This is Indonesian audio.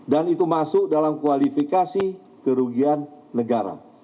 dan itu masuk dalam kualifikasi kerugian negara